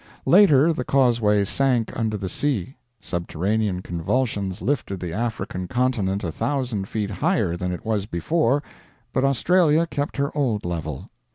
Later the causeway sank under the sea; subterranean convulsions lifted the African continent a thousand feet higher than it was before, but Australia kept her old level.